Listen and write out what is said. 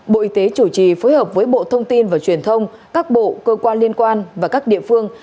bộ y tế chủ trì phối hợp với bộ thông tin và truyền thông các bộ cơ quan liên quan và các địa phương